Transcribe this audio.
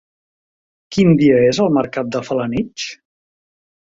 Quin dia és el mercat de Felanitx?